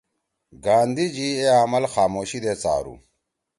گاندھی جی اے عمل خاموشی دے څارُو